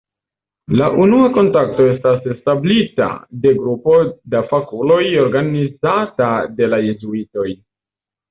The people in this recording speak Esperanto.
La unua kontakto estas establita de grupo da fakuloj organizata de la Jezuitoj.